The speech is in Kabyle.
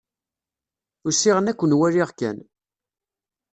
Usiɣ-n ad ken-waliɣ kan.